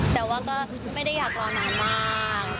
แต่ว่าก็ไม่ได้อยากรอนานมาก